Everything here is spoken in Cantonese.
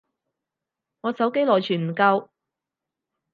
我手機內存唔夠